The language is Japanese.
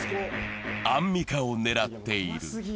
アンミカを狙っている。